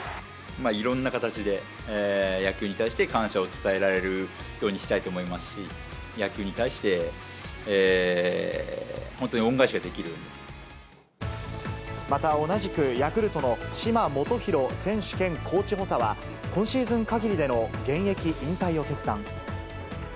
いろんな形で、野球に対して感謝を伝えられるようにしたいと思いますし、野球に対して、また同じく、ヤクルトの嶋基宏選手兼コーチ補佐は、今シーズン限りでの現役引退を決断。